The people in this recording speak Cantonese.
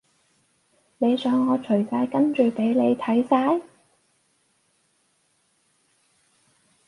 你想我除晒跟住畀你睇晒？